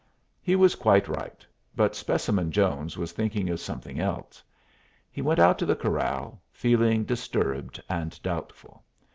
He was quite right, but Specimen Jones was thinking of something else. He went out to the corral, feeling disturbed and doubtful.